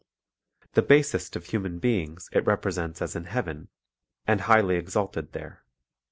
The basest of human be ings it represents as in heaven, and highly exalted there.